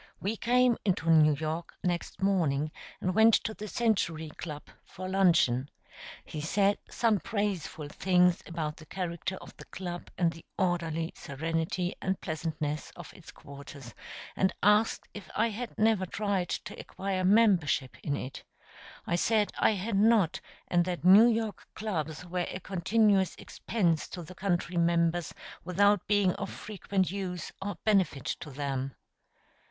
We came into New York next morning, and went to the Century Club for luncheon. He said some praiseful things about the character of the club and the orderly serenity and pleasantness of its quarters, and asked if I had never tried to acquire membership in it. I said I had not, and that New York clubs were a continuous expense to the country members without being of frequent use or benefit to them.